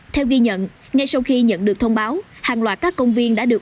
theo ghi nhận ngay sau khi nhận được thông báo hàng loạt các công viên đã được